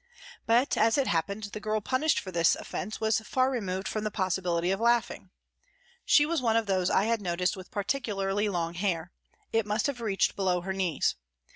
But, as it happened, the girl FROM THE CELLS 195 punished for this offence was far removed from the possibility of laughing. She was one of those I had noticed with particularly long hair ; it must have reached below her knees.